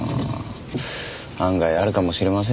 案外あるかもしれませんよ。